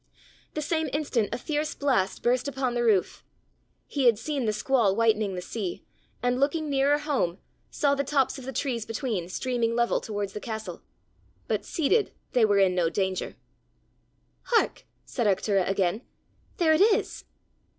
The same instant a fierce blast burst upon the roof. He had seen the squall whitening the sea, and looking nearer home saw the tops of the trees between streaming level towards the castle. But seated they were in no danger. "Hark!" said Arctura again; "there it is!"